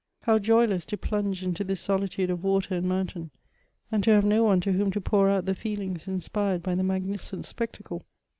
How joyless to plunge into this solitude of water and mountain, and to have no one to whom to pour out the feel ings inspired by the magnificent spectacle